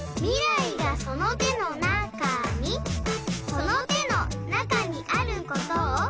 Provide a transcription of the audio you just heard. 「その手の中にあることを」